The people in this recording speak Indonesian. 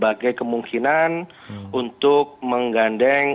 kita bisa memiliki kemungkinan untuk menggandeng